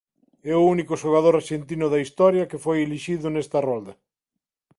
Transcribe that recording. É o único xogador arxentino da historia que foi elixido nesta rolda.